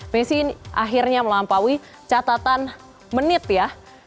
messi akhirnya melampaui catatan menit ya